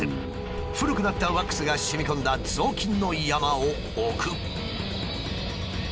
古くなったワックスが染み込んだ雑巾の山を置く。